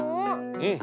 うん。